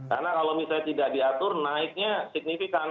karena kalau misalnya tidak diatur naiknya signifikan